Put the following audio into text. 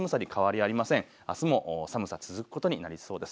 あすも寒さ続くことになりそうです。